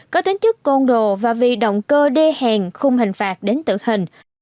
có tính chức côn đồ và vì động cơ đê hèn khung hình phạt đến tử hình